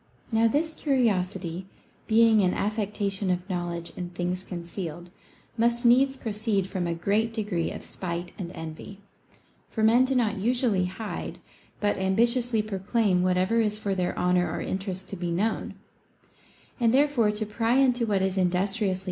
Now this curiosity, being an affectation of knowledge in things concealed, must needs proceed from a great degree of spite and envy. For men do not usually hide, but am bitiously proclaim whatever is for their honor or interest to be known ; and therefore to pry into what is industriously INTO THINGS IMPERTINENT.